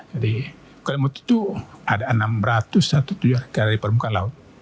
jadi kelimutu itu ada enam ratus satu tujuh hektare di permukaan laut